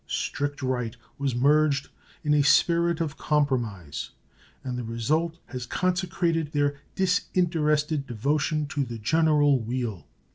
Strict right was merged in a spirit of compromise, and the result has consecrated their disinterested devotion to the general weal.